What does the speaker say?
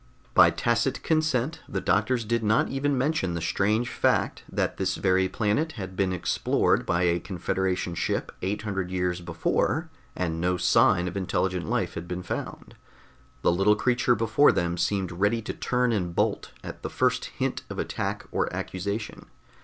By tacit consent the doctors did not even mention the strange fact that this very planet had been explored by a Confederation ship eight hundred years before and no sign of intelligent life had been found. The little creature before them seemed ready to turn and bolt at the first hint of attack or accusation.